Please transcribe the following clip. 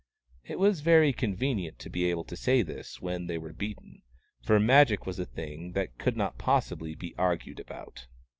It was very convenient to be able to say this when they were beaten, for Magic was a thing that could not possibly be argued about.